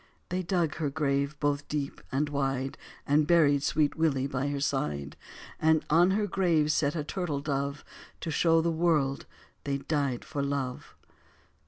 They dug her grave both deep and wide And buried sweet Willie by her side; And on her grave set a turtle dove To show the world they died for love.